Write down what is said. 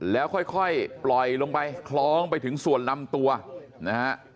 แล้วค่อยปล่อยลงไปคล้องไปถึงส่วนลำตัวนะฮะ